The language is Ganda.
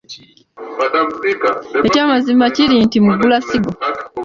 Ekyamazima kiri nti Mugulasigo.